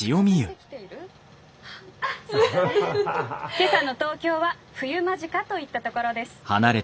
今朝の東京は冬間近といったところです」。